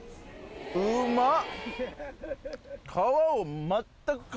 うまっ！